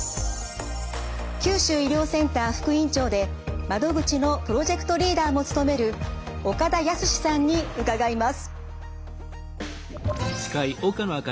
九州医療センター副院長で窓口のプロジェクトリーダーも務める岡田靖さんに伺います。